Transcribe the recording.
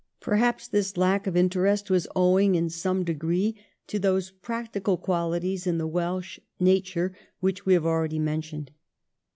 Perhaps this lack of in terest was owing in some degree to those practical qualities in the Welsh nature which we have already mentioned.